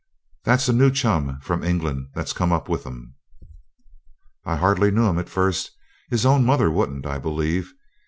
That's a new chum from England that's come up with 'em.' I hardly knew him at first. His own mother wouldn't, I believe.